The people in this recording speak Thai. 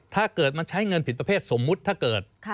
ถ้าเกิดมันใช้เงินผิดประเภทสมมุติถ้าเกิด